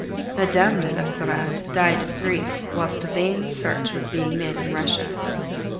Mme. de l'Estorade died of grief whilst a vain search was being made in Russia.